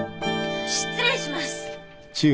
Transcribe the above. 失礼します！